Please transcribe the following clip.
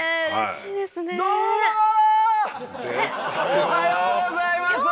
おはようございます！